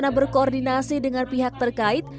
berkoordinasi dengan pihak terkait